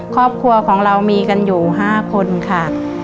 ครอบครัวของเรามีกันอยู่๕คนค่ะ